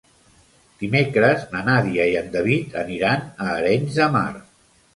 Dimecres na Nàdia i en David aniran a Arenys de Mar.